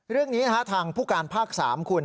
เรื่องนี้นะคะทางภูการภาค๓คุณ